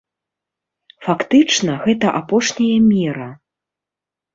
Фактычна, гэта апошняя мера.